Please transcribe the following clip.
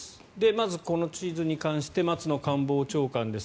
まず、この地図に関して松野官房長官です。